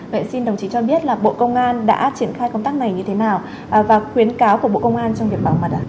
vậy xin đồng chí cho biết là bộ công an đã triển khai công tác này như thế nào và khuyến cáo của bộ công an trong việc bảo mật ạ